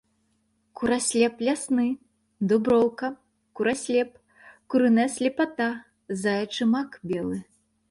Кураслеп лясны, дуброўка, кураслеп, курыная слепата, заячы мак белы.